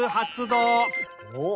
おっ！